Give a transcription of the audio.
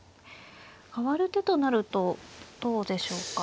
かわる手となるとどうでしょうか。